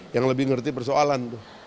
yang lebih ngerti persoalan